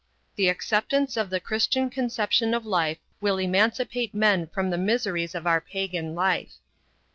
THE ACCEPTANCE OF THE CHRISTIAN CONCEPTION OF LIFE WILL EMANCIPATE MEN FROM THE MISERIES OF OUR PAGAN LIFE.